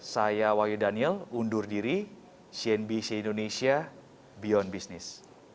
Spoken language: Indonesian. saya wahyu daniel undur diri cnbc indonesia beyond business